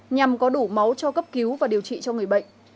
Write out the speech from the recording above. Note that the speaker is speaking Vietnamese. nhằm có đủ máu cho cấp cứu và điều trị cho người bệnh